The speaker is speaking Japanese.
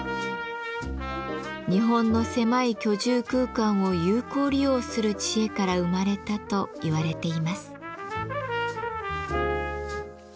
日本の狭い居住空間を有効利用する知恵から生まれたといわれています。